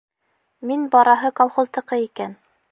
Мин бараһы колхоздыҡы икән.